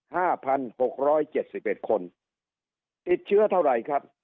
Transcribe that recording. ห้าพันหกร้อยเจ็ดสิบเอ็ดคนติดเชื้อเท่าไหร่ครับ